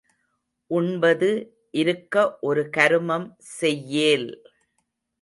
உண்பது இருக்க ஒரு கருமம் செய்யேல்.